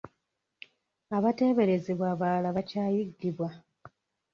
Abateeberezebwa abalala bakyayiggibwa.